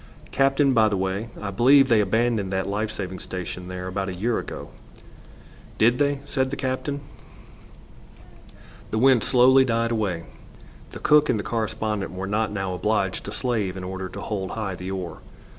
"Captain, by the way, I believe they abandoned that life saving station there about a year ago." "Did they?" said the captain. The wind slowly died away. The cook and the correspondent were not now obliged to slave in order to hold high the oar.